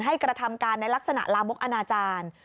กระทำการในลักษณะลามกอนาจารย์